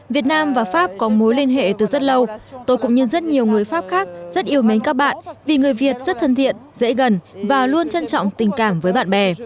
việt nam và pháp có mối liên hệ từ rất lâu tôi cũng như rất nhiều người pháp khác rất yêu mến các bạn vì người việt rất thân thiện dễ gần và luôn trân trọng tình cảm với bạn bè